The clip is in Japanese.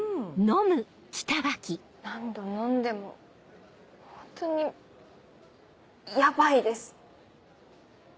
何度飲んでもホントにヤバいです。